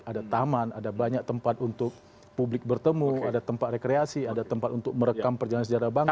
ada taman ada banyak tempat untuk publik bertemu ada tempat rekreasi ada tempat untuk merekam perjalanan sejarah bangsa